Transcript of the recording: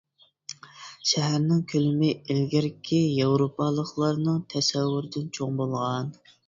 شەھەرنىڭ كۆلىمى ئىلگىرىكى ياۋروپالىقلارنىڭ تەسەۋۋۇرىدىن چوڭ بولغان.